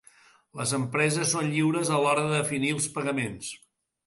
Les empreses són lliures a l'hora de definir els pagaments.